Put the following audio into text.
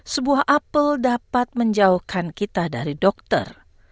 sebuah apel dapat menjauhkan kita dari dokter